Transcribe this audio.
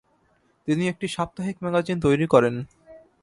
তিনি একটি সাপ্তাহিক ম্যাগাজিন তৈরি করেন।